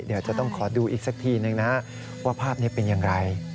เดี๋ยวจะต้องขอดูอีกสักทีนึงนะว่าภาพนี้เป็นอย่างไร